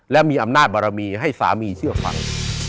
และมีอำนาจบารมีให้สามีเชื่อฟัง